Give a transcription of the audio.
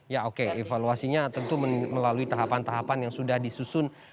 ya oke evaluasinya tentu melalui tahapan tahapan yang sudah disusun